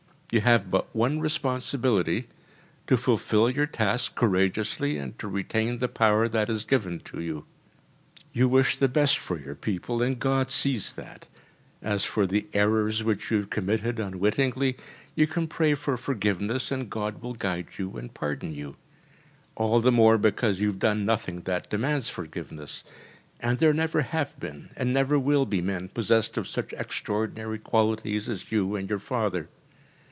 You have but one responsibility: to fulfil your task courageously and to retain the power that is given to you. You wish the best for your people and God sees that. As for the errors which you have committed unwittingly, you can pray for forgiveness, and God will guide you and pardon you. All the more because you have done nothing that demands forgiveness, and there never have been and never will be men possessed of such extraordinary qualities as you and your father.